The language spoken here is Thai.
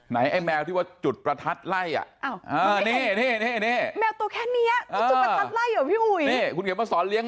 ไหนไอ้แมวที่ว่าจุดประทัดไล่